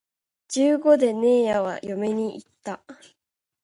十五でねえやは嫁に行った